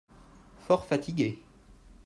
Fort fatigué.